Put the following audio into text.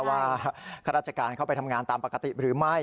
ข้าราชการเข้าไปทำงานตามปกติหรือไม่